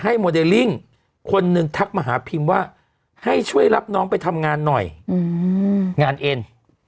โมเดลลิ่งคนหนึ่งทักมาหาพิมพ์ว่าให้ช่วยรับน้องไปทำงานหน่อยงานเอ็น